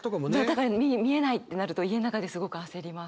だから見えないってなると家の中ですごく焦ります。